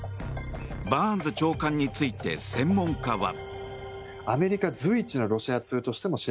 バーンズ長官について専門家は。